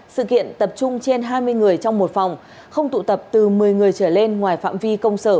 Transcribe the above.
sự kiện tập trung trên hai mươi người trong một phòng không tụ tập từ một mươi người trở lên ngoài phạm vi công sở